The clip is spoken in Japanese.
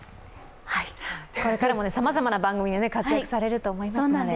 これからもさまざまな番組で活躍されると思いますので。